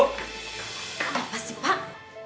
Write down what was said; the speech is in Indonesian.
apa sih pak